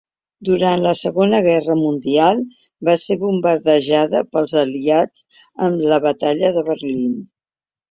Durant la Segona Guerra Mundial va ser bombardejada pels aliats en la Batalla de Berlín.